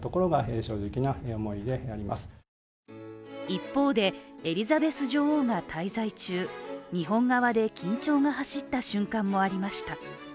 一方で、エリザベス女王が滞在中、日本側で緊張が走った瞬間もありました。